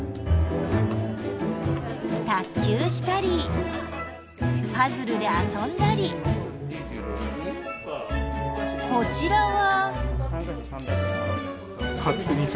卓球したりパズルで遊んだりこちらは。